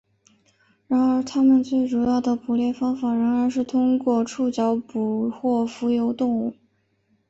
然而它们最主要的捕猎方法仍然是通过触角捕获浮游动物。